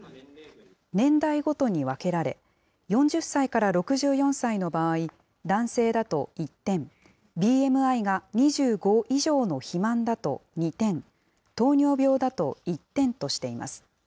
年代ごとに分けられ、４０歳から６４歳の場合、男性だと１点、ＢＭＩが２５以上の肥満だと２点、糖尿病だと１点としています。